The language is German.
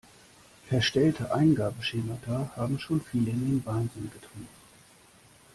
Verstellte Eingabeschemata haben schon viele in den Wahnsinn getrieben.